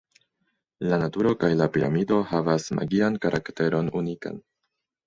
La naturo kaj la piramido havas magian karakteron unikan.